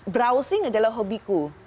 browsing adalah hobiku